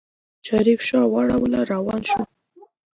شريف شا واړوله روان شو.